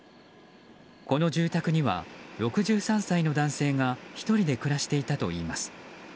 この住宅には６３歳の男性が１人で暮らしていたといいます。